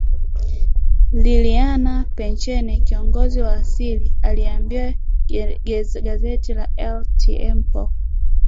Liliana Pechenè kiongozi wa Asili aliliambia gazeti la El Tiempo